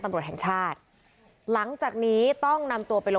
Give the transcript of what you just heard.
เมื่อวานแบงค์อยู่ไหนเมื่อวาน